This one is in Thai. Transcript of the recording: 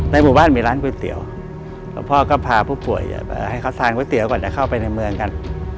หมู่บ้านมีร้านก๋วยเตี๋ยวแล้วพ่อก็พาผู้ป่วยให้เขาทานก๋วยเตี๋ยวก่อนจะเข้าไปในเมืองกัน